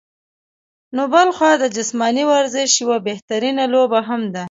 نو بلخوا د جسماني ورزش يوه بهترينه لوبه هم ده